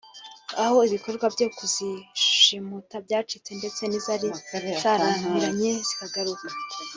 aho ibikorwa byo kuzishimuta byacitse ndetse n’izari zarazimiye zikagaruka